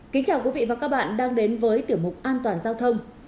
kính chào quý vị và các bạn đang đến với tiểu mục an toàn giao thông